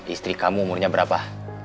istri kamu umurnya berapa